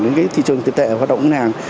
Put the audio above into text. đến thị trường tiền tệ hoạt động ngân hàng